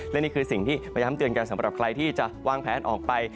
และนี่คือสิ่งที่มาย้ำเตือนกันสำหรับใครที่จะวางแผนออกไป